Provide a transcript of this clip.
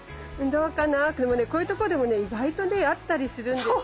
でもねこういうところでもね意外とねあったりするんですよ。